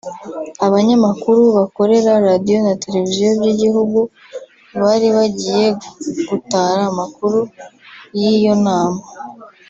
Abanyamakuru bakorera radio na televiziyo by’igihugu bari bagiye gutara amakuru y’iyo nama